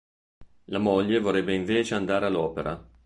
La moglie vorrebbe invece andare all'opera.